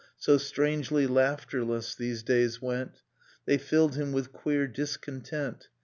So strangely laughterless these days went. They filled him with queer discontent.